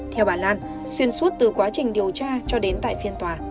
theo bà lan xuyên suốt từ quá trình điều tra cho đến tại phiên tòa